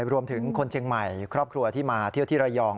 คนเชียงใหม่ครอบครัวที่มาเที่ยวที่ระยอง